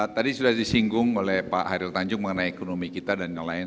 tadi sudah disinggung oleh pak hairul tanjung mengenai ekonomi kita dan yang lain